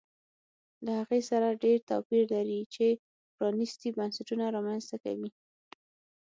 له هغې سره ډېر توپیر لري چې پرانیستي بنسټونه رامنځته کوي